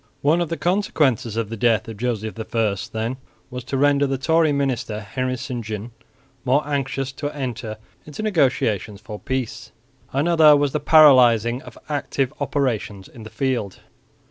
One of the consequences of the death of Joseph I, then, was to render the Tory minister, Henry St John, more anxious to enter into negotiations for peace; another was the paralysing of active operations in the field.